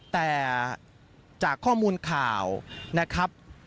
แต่จากข้อมูลข่าวนะครับ